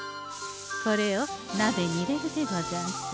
これをなべに入れるでござんす。